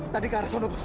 tadi ke arah sana bos